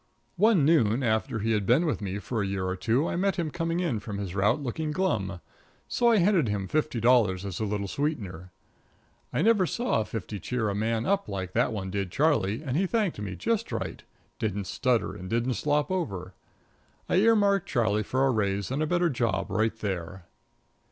One noon, after he had been with me for a year or two, I met him coming in from his route looking glum; so I handed him fifty dollars as a little sweetener. I never saw a fifty cheer a man up like that one did Charlie, and he thanked me just right didn't stutter and didn't slop over. I earmarked Charlie for a raise and a better job right there.